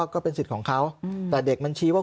ก็เป็นสิทธิ์ของเขาแต่เด็กมันชี้ว่า